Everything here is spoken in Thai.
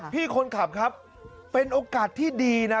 พี่คนขับครับเป็นโอกาสที่ดีนะ